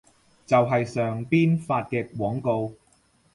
就係上邊發嘅廣告